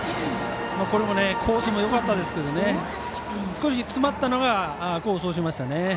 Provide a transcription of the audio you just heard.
これもコースもよかったですが少し詰まったのが功を奏しましたね。